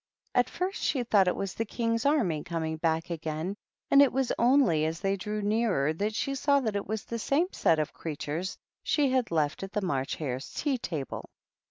At first she thought it was the Bang's army coming back again, and it was only as they drew nearer that she saw that it was the same set of creatures she had left at the March Hare's tea table.